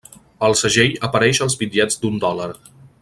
El segell apareix als bitllets d'un dòlar.